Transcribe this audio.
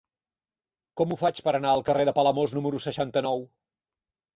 Com ho faig per anar al carrer de Palamós número seixanta-nou?